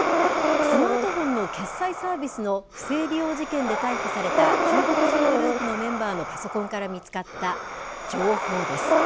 スマートフォンの決済サービスの不正利用事件で逮捕された中国人グループのメンバーのパソコンから見つかった情報です。